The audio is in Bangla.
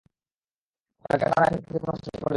অনেকের ধারণা এর সঙ্গে আপেক্ষিক কোনো কিছুর ব্যাপার জড়িত।